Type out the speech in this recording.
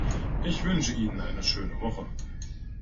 Ich wünsche Ihnen eine schöne Woche.